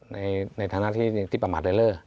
ในทางหน้าที่ประมาณแลรเล้อ